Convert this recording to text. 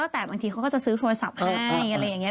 แต่บางทีเขาก็จะซื้อโทรศัพท์ให้